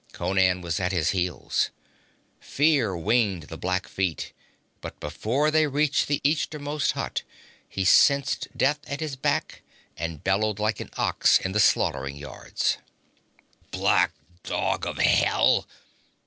Conan was at his heels. Fear winged the black feet, but before they reached the easternmost hut, he sensed death at his back, and bellowed like an ox in the slaughter yards. 'Black dog of hell!'